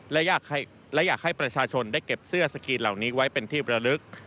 และอยากให้ประชาชนได้เก็บเสื้อสกรีนเหล่านี้ไว้เป็นที่ประลึก